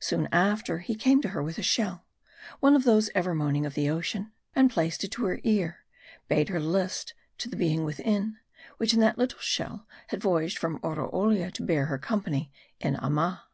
Soon after, he came to her with a shell one of those ever moaning of ocean and placing it to her ear, bade her list to the being within, which in that little shell had voy aged from Oroolia to bear her company in Amma.